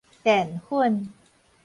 澱粉